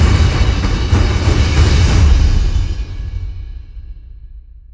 ตามน้ำคิดมาให้ผู้ชมเตรียมอัลแม่ค่ะ